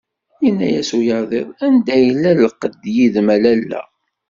Yenna-as uyaziḍ. "Anda yella llqeḍ yid-m a lalla?"